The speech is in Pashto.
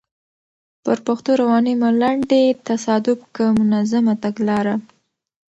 پر پښتو روانې ملنډې؛ تصادف که منظمه تګلاره؟